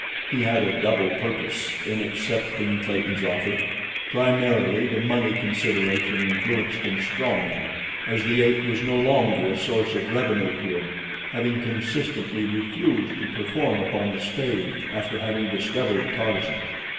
He had a double purpose in accepting Clayton's offer. Primarily, the money consideration influenced him strongly, as the ape was no longer a source of revenue to him, having consistently refused to perform upon the stage after having discovered Tarzan.